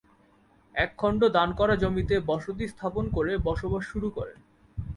এক খন্ড দান করা জমিতে বসতি স্থাপন করে বসবাস শুরু করেন।